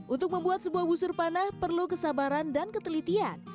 untuk membuat sebuah busur panah perlu kesabaran dan ketelitian